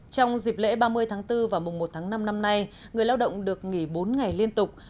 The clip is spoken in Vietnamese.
trong dịp lễ ba mươi tháng bốn và mùng một tháng năm năm nay người lao động được nghỉ bốn ngày liên tục